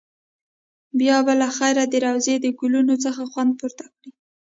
بیا به له خیره د روضې د ګلونو څخه خوند پورته کړې.